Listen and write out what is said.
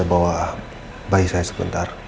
apa boleh saya bawa bayi saya sebentar